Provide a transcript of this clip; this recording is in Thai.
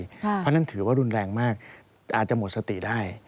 เพราะฉะนั้นถือว่ารุนแรงมากอาจจะหมดสติได้